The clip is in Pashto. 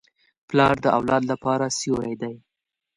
پلار د اولاد لپاره سیوری دی.